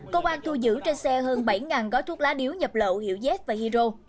công an thu giữ trên xe hơn bảy gói thuốc lá điếu nhập lậu hiệu z và hero